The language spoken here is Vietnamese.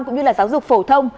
cũng như giáo dục phổ thông